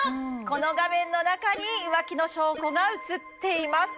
この画面の中に浮気の証拠がうつっています